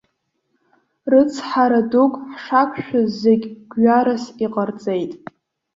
Рыцҳара дук ҳшақәшәоз зегь гәҩарас иҟарҵеит.